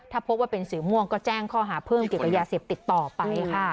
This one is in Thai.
ถ้าพบว่าเป็นสีม่วงก็แจ้งข้อหาเพิ่มเกี่ยวกับยาเสพติดต่อไปค่ะ